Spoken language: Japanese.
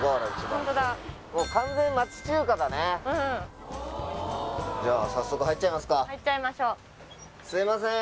ホントだもう完全町中華だねうんじゃあ早速入っちゃいますか入っちゃいましょうすいません